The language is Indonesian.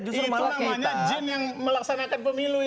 itu namanya jin yang melaksanakan pemilu